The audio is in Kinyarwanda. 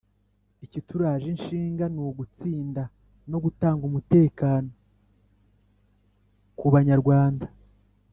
Ikituraje ishinga n’ugutsinda no gutanga umutekano ku ba nyarwanda